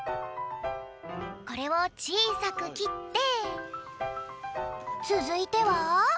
これをちいさくきってつづいては？